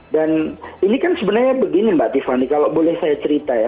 dan ini kan sebenarnya begini mbak tiffany kalau boleh saya cerita ya